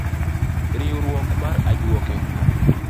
Riwruok mar ajwoke.